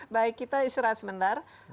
baik kita istirahat sebentar